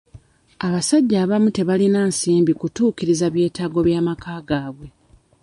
Abasajja abamu tebalina nsimbi kutuukiriza byetaago bya maka gaabwe.